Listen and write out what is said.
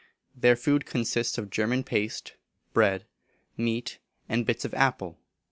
Their food consists of German paste, bread, meat, and bits of apple.